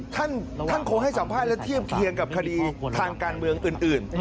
ท่านคงให้สัมภาษณ์และเทียบเคียงกับคดีทางการเมืองอื่น